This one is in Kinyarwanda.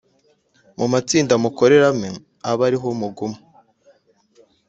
Mu matsinda mukoreramo abe ari ho muguma